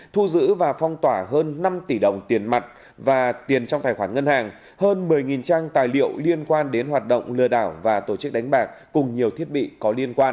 thu giữ và phong tỏa hơn năm tỷ đồng tiền mặt và tiền trong tài khoản ngân hàng hơn một mươi trang tài liệu liên quan đến hoạt động lừa đảo và tổ chức đánh bạc cùng nhiều thiết bị có liên quan